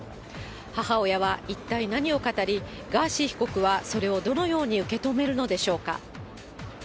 母親は一体何を語り、ガーシー被告はそれをどのように受け止めるのでしょうか。